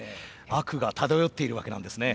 悪が漂っているわけなんですね。